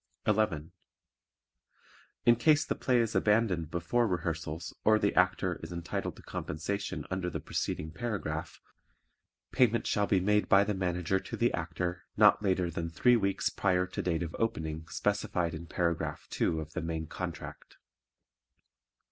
11. In case the play is abandoned before rehearsals or the Actor is entitled to compensation under the preceding paragraph, payment shall be made by the Manager to the Actor not later than three weeks prior to date of opening specified in Paragraph 2 of the main contract.